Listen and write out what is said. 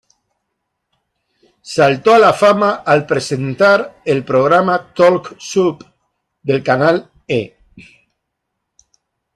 Saltó a la fama al presentar el programa "Talk Soup" del canal E!